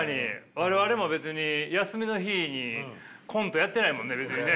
我々も別に休みの日にコントやってないもんね別にね。